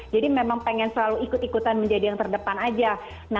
jadi memang pengen selalu ikut ikutan menjadi yang terdepan aja